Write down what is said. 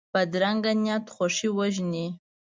بدرنګه نیت خوښي وژني